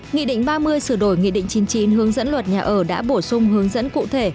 nghị định ba mươi sửa đổi nghị định chín mươi chín hướng dẫn luật nhà ở đã bổ sung hướng dẫn cụ thể